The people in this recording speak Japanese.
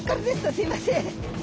すいません。